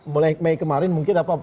mulai mei kemarin mungkin apa